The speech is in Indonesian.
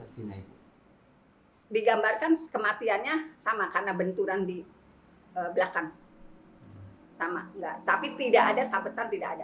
hai di gunakan kematiannya sama karena benturan dia kan udah tapi tidak ada sabetan tidak ada